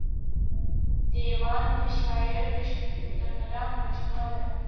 دېوان د شاعر د کلام مجموعه ده.